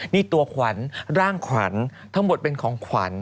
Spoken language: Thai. นี่ตัวขวัญร่างขวัญทั้งหมดเป็นของขวัญ